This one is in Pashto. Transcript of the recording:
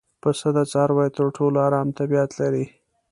پسه د څارویو تر ټولو ارام طبیعت لري.